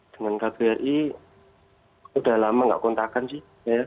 dengan kbri udah lama nggak kontakan sih